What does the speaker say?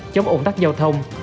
chống ổn tắc giao thông